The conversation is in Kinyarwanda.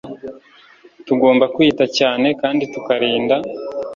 tugomba kwita cyane kandi tukarinda